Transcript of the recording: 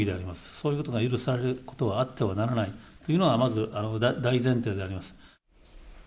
そういうことが許されることはあってはならないというのがまず大前提であります。